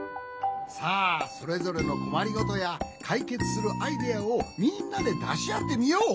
さあそれぞれのこまりごとやかいけつするアイデアをみんなでだしあってみよう。